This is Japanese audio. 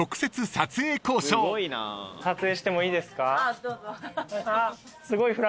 撮影してもいいですか？